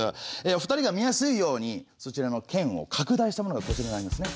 お二人が見やすいようにそちらの剣を拡大したものがこちらになりますね。